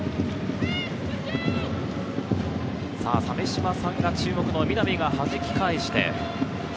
鮫島さんが注目の南がはじき返して。